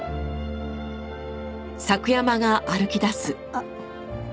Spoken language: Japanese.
あっ。